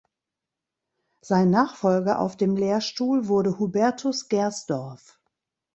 Sein Nachfolger auf dem Lehrstuhl wurde Hubertus Gersdorf.